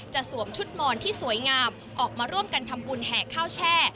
สวมชุดมอนที่สวยงามออกมาร่วมกันทำบุญแห่ข้าวแช่